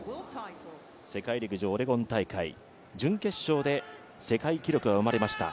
世界陸上オレゴン大会準決勝で世界記録が生まれました。